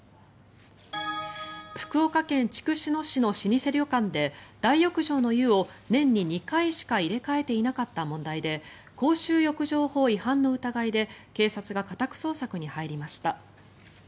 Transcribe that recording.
福岡県筑紫野市の老舗旅館で大浴場の湯を年に２回しか入れ替えていなかった問題で公衆浴場法違反の疑いで警察が家宅捜索に入りました。